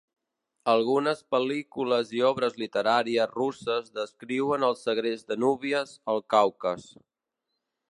Algunes pel·lícules i obres literàries russes descriuen el segrest de núvies al Caucas.